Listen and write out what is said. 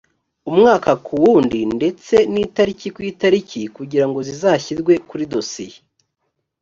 umwaka ku wundi ndetse n itariki ku itariki kugira ngo zizashyirwe muri dosiye